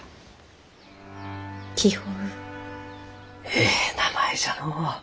えい名前じゃのう。